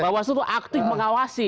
bawah seluruh itu aktif mengawasi